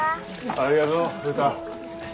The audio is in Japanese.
ありがとううた。